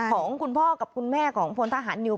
ของคุณพ่อกับคุณแม่ของพลทหารนิว